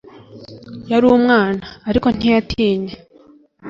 Yari umwana, ariko ntiyatinye.